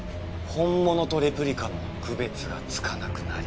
本物とレプリカの区別がつかなくなり。